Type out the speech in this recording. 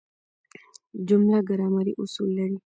جمله ګرامري اصول لري.